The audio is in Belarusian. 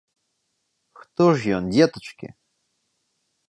Хто ж ён, дзетачкі?